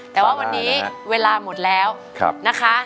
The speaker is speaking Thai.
แต่ว่าวันนี้เวลาหมดแล้วนะคะ